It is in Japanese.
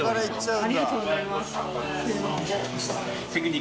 ありがとうございます。